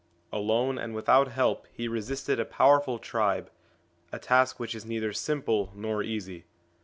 Alone and without help he resisted a powerful tribe, a task which is neither simple nor easy.